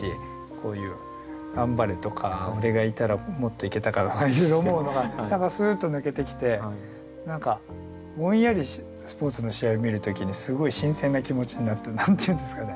こういう「頑張れ」とか「俺がいたらもっといけたか」とかいろいろ思うのがすっと抜けてきて何かぼんやりスポーツの試合を見る時にすごい新鮮な気持ちになって何て言うんですかね。